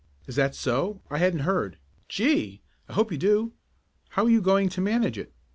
"Is that so; I hadn't heard it. Gee! I hope you do. How you going to manage it?"